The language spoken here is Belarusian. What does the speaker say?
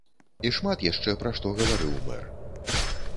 І шмат яшчэ пра што гаварыў мэр.